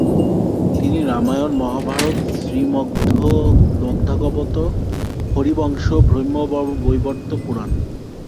তিনি রামায়ণ, মহাভারত, শ্রীমদ্ভাগবত, হরিবংশ, ব্রহ্মবৈবর্ত পুরাণ